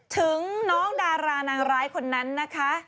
ถึงน้องดารานางร้ายคนนั้นนะคะ